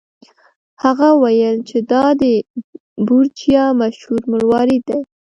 هغه وویل چې دا د بورجیا مشهور مروارید دی.